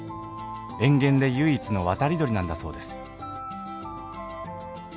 塩原で唯一の渡り鳥なんだそうです